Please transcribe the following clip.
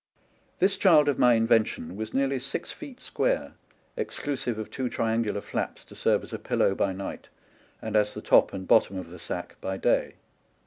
This child of my invention was nearly six feet square, exclusive of two triangular flaps to serve as a pillow by night and as the top and bottom of the sack by day.